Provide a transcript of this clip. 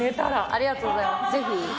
ありがとうございます。